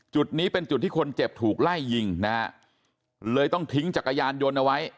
จุดนี้เป็นจุดที่คนเจ็บถูกไล่ยิงนะฮะเลยต้องทิ้งจักรยานยนต์เอาไว้